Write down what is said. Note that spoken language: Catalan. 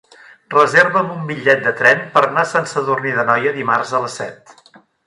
Reserva'm un bitllet de tren per anar a Sant Sadurní d'Anoia dimarts a les set.